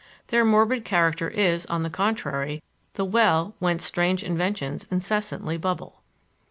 Their morbid character is, on the contrary, the well whence strange inventions incessantly bubble.